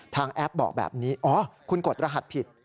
แอปบอกแบบนี้อ๋อคุณกดรหัสผิด